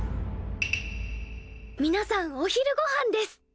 みなさんお昼ごはんです！